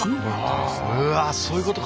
うわそういうことか！